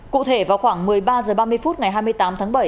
cụ thể vào khoảng một mươi ba h ba mươi phút ngày hai mươi tám tháng bảy